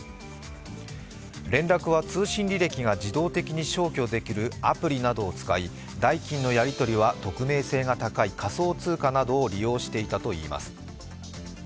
連絡は通信履歴が自動的に消去できるアプリなどを使い代金のやりとりは匿名性が高い仮想通貨などを利用していたといいます。